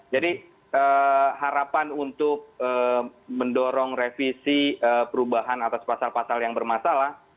jadi harapan untuk mendorong revisi perubahan atas pasal pasal yang bermasalah